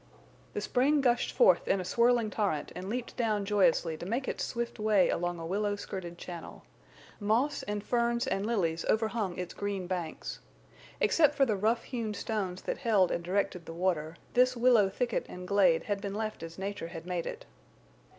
The spring gushed forth in a swirling torrent, and leaped down joyously to make its swift way along a willow skirted channel. Moss and ferns and lilies overhung its green banks. Except for the rough hewn stones that held and directed the water, this willow thicket and glade had been left as nature had made it.